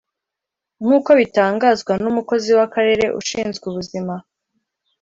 nk’uko bitangazwa n’umukozi w’karere ushinzwe ubuzima